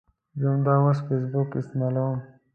زه همداوس فیسبوک استعمالوم